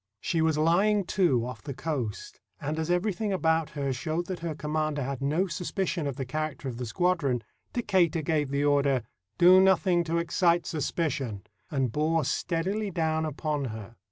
She was lying to off the coast, and as every thing about her showed that her commander had no suspicion of the character of the squadron, Decatur gave the order, "Do nothing to excite suspicion," and bore steadily down upon her.